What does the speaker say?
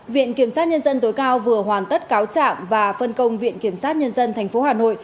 viện kiểm sát nhân dân tối cao vừa hoàn tất cáo trạng và phân công viện kiểm sát nhân dân tp hà nội